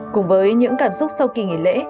cùng với những cảm xúc sau kỳ nghỉ lễ